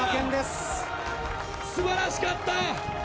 素晴らしかった。